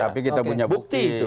tapi kita punya bukti